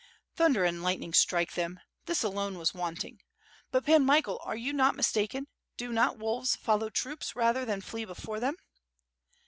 "Thunder and lightning strike them. This alone was want inff. But Pan Michael, are you not mistaken, do not wolves follow troops, rather than flee before them?"